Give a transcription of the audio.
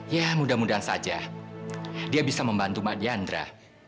ya mudah mudahan saja dia bisa membantu mbak diandra